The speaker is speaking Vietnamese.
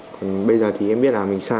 còn bây giờ thì em biết là mình sai